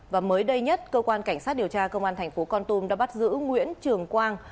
và mới đây nhất cơ quan cảnh sát điều tra công an thành phố con tum đã bắt giữ nguyễn trường quang